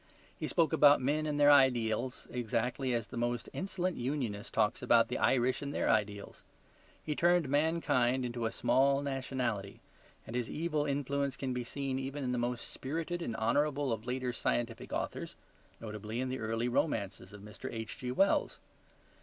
He spoke about men and their ideals exactly as the most insolent Unionist talks about the Irish and their ideals. He turned mankind into a small nationality. And his evil influence can be seen even in the most spirited and honourable of later scientific authors; notably in the early romances of Mr. H.G.Wells.